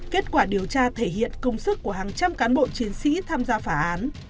kết quả điều tra thể hiện công sức của hàng trăm cán bộ chiến sĩ tham gia phá án